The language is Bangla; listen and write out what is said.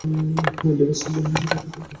ডিভাস চ্যাম্পিয়ন হিসেবে এটা তার প্রথম রাজত্ব।